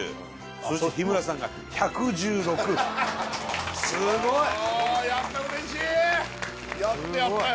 そして日村さんが１１６すごいおおやった嬉しいやってやったよ